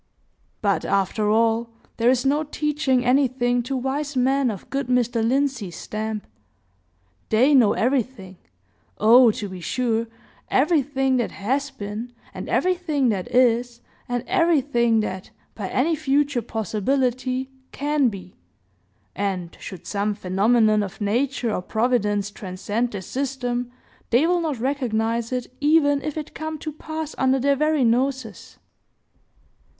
But, after all, there is no teaching anything to wise men of good Mr. Lindsey's stamp. They know everything,—oh, to be sure!—everything that has been, and everything that is, and everything that, by any future possibility, can be. And, should some phenomenon of nature or providence transcend their system, they will not recognize it, even if it come to pass under their very noses.